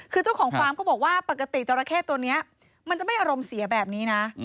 คือเจ้าของฟาร์มก็บอกว่าปกติจราเข้ตัวนี้มันจะไม่อารมณ์เสียแบบนี้นะ